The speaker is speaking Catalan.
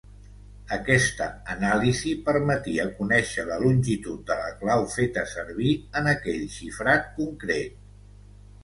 Aquesta anàlisi permetia conèixer la longitud de la clau feta servir en aquell xifrat concret.